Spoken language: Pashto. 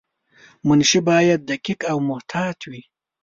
منشي باید دقیق او محتاط وای.